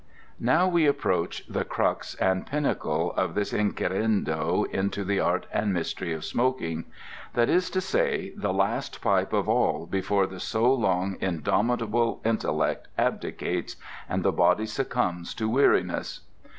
Now we approach the crux and pinnacle of this inquirendo into the art and mystery of smoking. That is to say, the last pipe of all before the so long indomitable intellect abdicates, and the body succumbs to weariness.